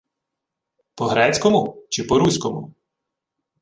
— По-грецькому чи по-руському?